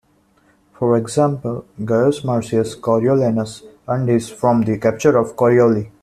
For example, Gaius Marcius Coriolanus earned his from the capture of Corioli.